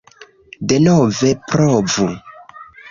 Denove provu